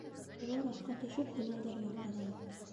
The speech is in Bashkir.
Улар, аҫҡа төшөп, үләндәргә ҡаҙала.